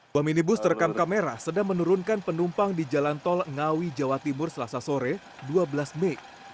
bom minibus terekam kamera sedang menurunkan penumpang di jalan tol ngawi jawa timur selasa sore dua belas mei